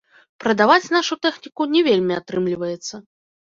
Прадаваць нашу тэхніку не вельмі атрымліваецца.